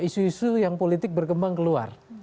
isu isu yang politik berkembang keluar